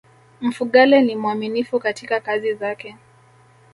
mfugale ni mwaminifu katika kazi zake